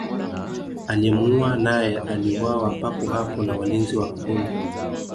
Aliyemuua naye aliuawa papo hapo na walinzi wa Karume